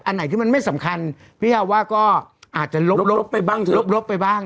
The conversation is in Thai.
อันไหนที่มันไม่สำคัญพี่ฮาว่าก็อาจจะลบไปบ้าง